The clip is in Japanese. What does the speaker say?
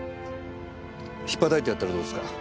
引っぱたいてやったらどうですか。